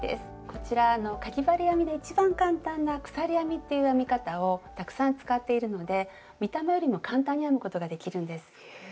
こちらかぎ針編みで一番簡単な「鎖編み」っていう編み方をたくさん使っているので見た目よりも簡単に編むことができるんです。